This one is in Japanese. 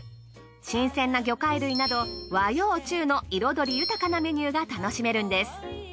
新鮮な魚介類など和洋中の彩り豊かなメニューが楽しめるんです。